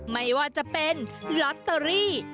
ไม่ว่าจะเป็นลอตเตอรี่